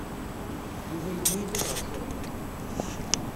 Yuba yenna-iyi-d ad ṛjuɣ da.